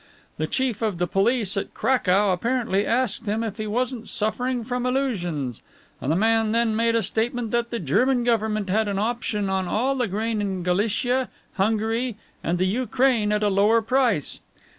The Chief of the Police at Cracow apparently asked him if he wasn't suffering from illusions, and the man then made a statement that the German Government had an option on all the grain in Galicia, Hungary and the Ukraine at a lower price.